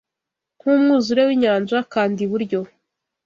nkumwuzure Winyanja, kanda iburyo